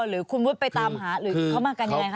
หรือคุณวุฒิไปตามหาหรือเขามากันยังไงคะ